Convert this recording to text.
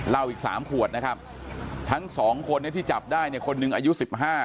เหล้าอีกสามขวดนะครับทั้งสองคนที่จับได้เนี่ยคนหนึ่งอายุสิบห้า